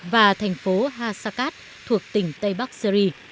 và thành phố hasakat thuộc tỉnh tây bắc syri